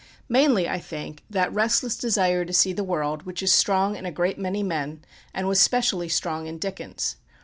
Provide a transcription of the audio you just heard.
Mainly, I think, that restless desire to see the world which is strong in a great many men, and was specially strong in Dickens.